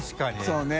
そうね。